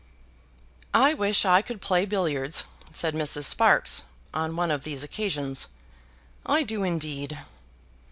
"I wish I could play billiards," said Mrs. Sparkes, on one of these occasions; "I do indeed."